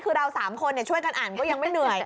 คือเรา๓คนช่วยกันอ่านก็ยังไม่เหนื่อย